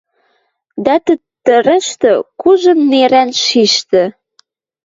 Дӓ тӹ тӹрӹштӹ кужы нерӓн шиштӹ